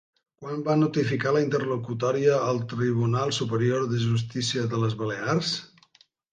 Quan va notificar la interlocutòria el Tribunal Superior de Justícia de les Balears?